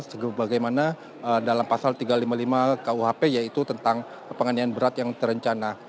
sebagaimana dalam pasal tiga ratus lima puluh lima kuhp yaitu tentang penganian berat yang terencana